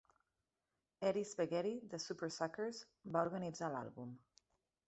Eddie Spaghetti de Supersuckers va organitzar l'àlbum.